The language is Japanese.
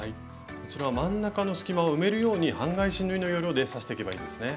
こちらは真ん中の隙間を埋めるように半返し縫いの要領で刺していけばいいですね。